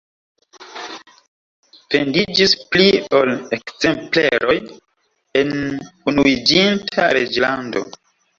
Vendiĝis pli ol ekzempleroj en Unuiĝinta Reĝlando.